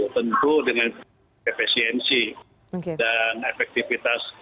tentu dengan efisiensi dan efektivitas